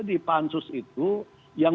di pansus itu yang